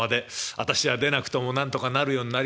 私が出なくてもなんとかなるようになりました。